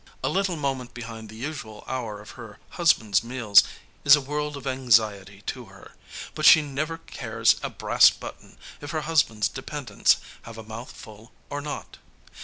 A little moment behind the usual hour of her husband's meals is a world of anxiety to her, but she never cares a brass button if her husband's dependents have a mouthful or not.